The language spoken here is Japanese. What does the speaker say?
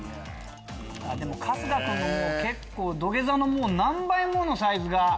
でも春日君の土下座の何倍ものサイズが。